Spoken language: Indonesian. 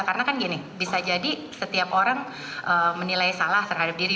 karena kan gini bisa jadi setiap orang menilai salah terhadap diri